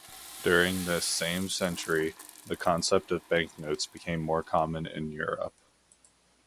During this same century, the concept of bank notes became more common in Europe.